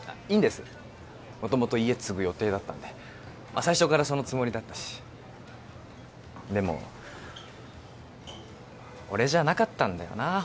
いいんです元々家継ぐ予定だったんでまあ最初からそのつもりだったしでも俺じゃなかったんだよな